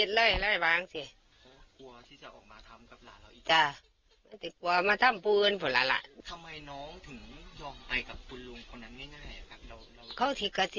ขอทิกัสกัสแดงตัวบ้านเลยค่ะ